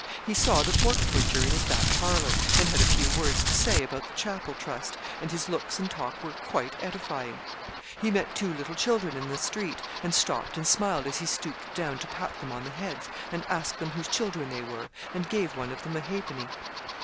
He saw the pork butcher in his back parlour, and had a few words to say about the chapel trust, and his looks and talk were quite edifying. He met two little children in the street, and stopped and smiled as he stooped down to pat them on the heads, and ask them whose children they were, and gave one of them a halfpenny.